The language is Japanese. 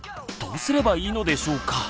どうすればいいのでしょうか？